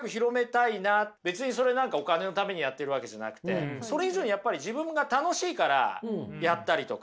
別にそれ何かお金のためにやっているわけじゃなくてそれ以上にやっぱり自分が楽しいからやったりとか。